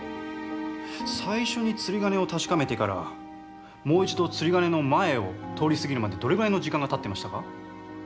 最初に釣り鐘を確かめてからもう一度釣り鐘の前を通り過ぎるまでどれぐらいの時間がたっていましたか？